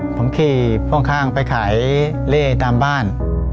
ผมขี่พ่วงข้างไปขายเล่ตามบ้าน